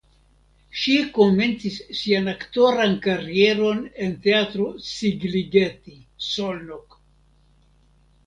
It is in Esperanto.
Ŝi komencis sian aktoran karieron en Teatro Szigligeti (Szolnok).